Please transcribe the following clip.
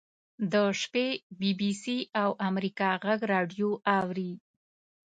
د شپې بي بي سي او امریکا غږ راډیو اوري.